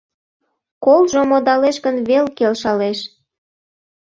Колжо модалеш гын вел келшалеш.